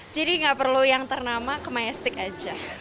jadi gak perlu yang ternama ke myastic aja